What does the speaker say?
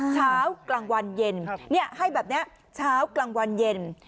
เช้ากลางวันเย็นให้แบบนี้เช้ากลางวันเย็น